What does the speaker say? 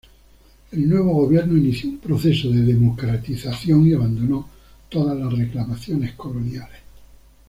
El nuevo gobierno inició un proceso de democratización y abandonó todas las reclamaciones coloniales.